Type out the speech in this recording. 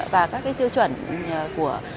và các cái tư chuẩn của